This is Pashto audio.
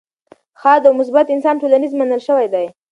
ښاد او مثبت انسان ټولنیز منل شوی دی.